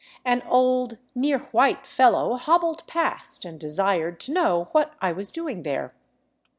An old, near white fellow hobbled past and desired to know what I was doing there.